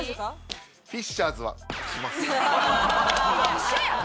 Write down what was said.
一緒やん！